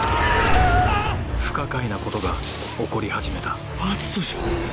不可解なことが起こり始めた篤斗じゃない。